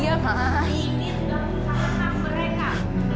ini gak usah tentang mereka